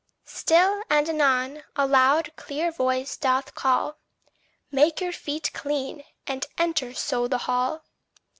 Still and anon, a loud clear voice doth call "Make your feet clean, and enter so the hall."